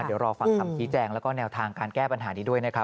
เดี๋ยวรอฟังคำชี้แจงแล้วก็แนวทางการแก้ปัญหานี้ด้วยนะครับ